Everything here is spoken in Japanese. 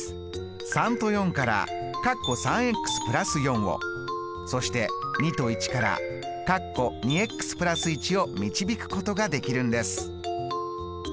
３と４からをそして２と１からを導くことができるんです。